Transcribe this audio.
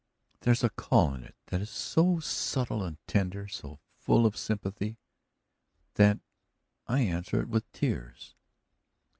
There's a call in it that is so subtle and tender, so full of sympathy, that I answer it with tears."